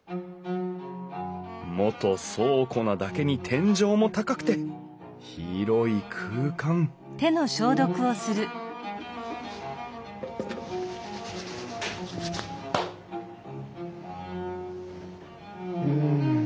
元倉庫なだけに天井も高くて広い空間うん